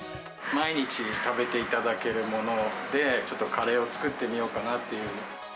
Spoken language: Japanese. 毎日食べていただけるもので、ちょっとカレーを作ってみようかなっていう。